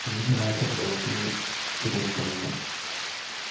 ஈயாத லோபி இருந்தென்ன?